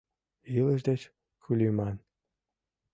Илыш деч кульымын.